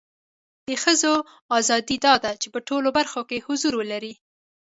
د خځو اذادی دا ده چې په ټولو برخو کې حضور ولري